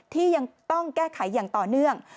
ที่ยังต้องแก้ไขอย่างต่อเนื่อง